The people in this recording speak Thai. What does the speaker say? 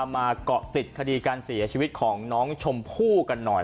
มาเกาะติดคดีการเสียชีวิตของน้องชมพู่กันหน่อย